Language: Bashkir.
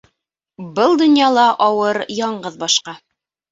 Был донъяла ауыр яңғыҙ башка —